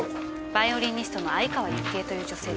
バイオリニストの相川雪江という女性です。